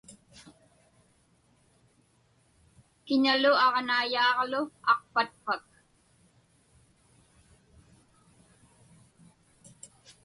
Kiñalu aġnaiyaaġlu aqpatpak?